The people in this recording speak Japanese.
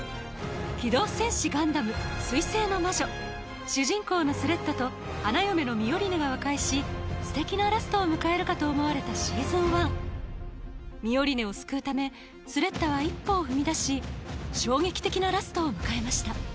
「機動戦士ガンダム水星の魔女」主人公のスレッタと花嫁のミオリネが和解しすてきなラストを迎えるかと思われたＳｅａｓｏｎ１ミオリネを救うためスレッタは一歩を踏み出し衝撃的なラストを迎えました